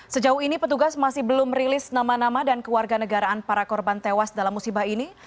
sejauh ini petugas masih belum rilis nama nama dan keluarga negaraan para korban tewas dalam musibah ini